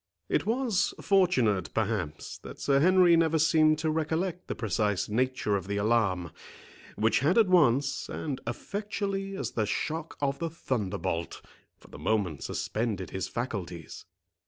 It was fortunate, perhaps, that Sir Henry never seemed to recollect the precise nature of the alarm, which had at once, and effectually as the shock of the thunderbolt, for the moment suspended his faculties.